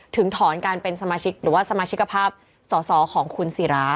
ถึงถอนการเป็นสมาชิกหรือว่าสมาชิกภาพสอสอของคุณศิรา